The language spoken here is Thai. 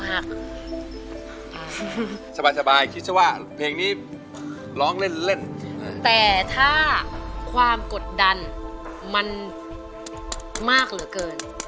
สบายคิดซะว่าเพลงนี้ร้องเล่นเล่นแต่ถ้าความกดดันมันมากเหลือเกิน